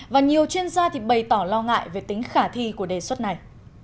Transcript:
và nhiều chuyên gia bày tỏ lo ngại về tính khả thi của đề xuất này